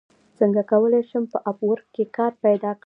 څنګه کولی شم په اپ ورک کې کار پیدا کړم